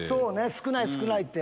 少ない少ないって。